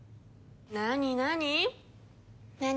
何何？